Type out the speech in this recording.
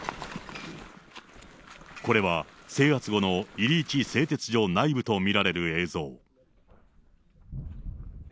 これは制圧後のイリイチ製鉄所内部と見られる映像。